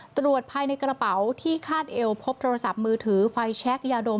ตรวจภายในกระเป๋าที่คาดเอวพบโทรศัพท์มือถือไฟแช็คยาดม